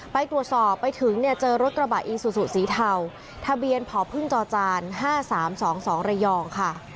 ไปตรวจสอบไปถึงเนี่ยเจอรถกระบะอีสุสุสีเทาทะเบียนผอพึ่งจอจาน๕๓๒๒เรยองค่ะ